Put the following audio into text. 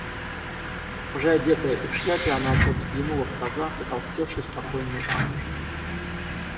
Уже одетая и в шляпе, она опять взглянула в таза потолстевшей, спокойной Аннушки.